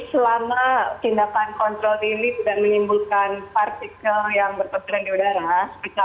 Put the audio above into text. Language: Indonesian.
selama tindakan kontrol ini dan menimbulkan partikel yang berpengaruh di udara bisa